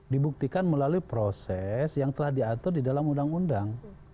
dibuktikan melalui proses yang telah diatur di dalam undang undang